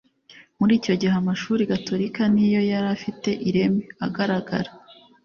Muri icyo gihe amashuri gatolika ni yo yari afite ireme, agaragara.